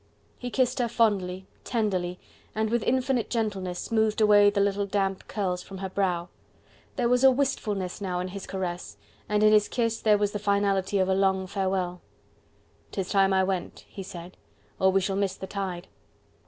He kissed her fondly, tenderly, and with infinite gentleness smoothed away the little damp curls from her brow. There was a wistfulness now in his caress, and in his kiss there was the finality of a long farewell. "'Tis time I went," he said, "or we shall miss the tide."